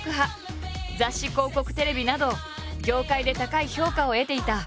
雑誌広告テレビなど業界で高い評価を得ていた。